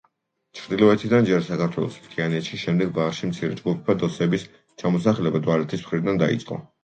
ჩრდილოეთიდან ჯერ საქართველოს მთიანეთში, შემდეგ ბარში მცირე ჯგუფებად ოსების ჩამოსახლება დვალეთის მხრიდან დაიწყო.